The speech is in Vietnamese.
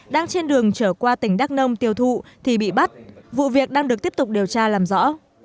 đang trên đường trở qua tỉnh đắk nông tiêu thụ thì bị bắt vụ việc đang được tiếp tục điều tra làm rõ